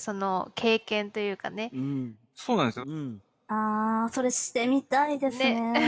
ああそれしてみたいですね。